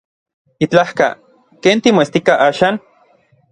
Yitlajka. ¿Ken timoestika axan?